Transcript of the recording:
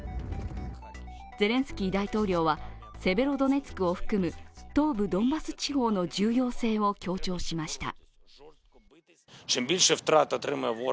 ゼレンスキー大統領はセベロドネツクを含む東部ドンバス地方の重要性を強調しました。